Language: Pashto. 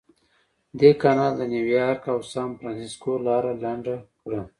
دې کانال د نیویارک او سانفرانسیسکو لاره لنډه کړه.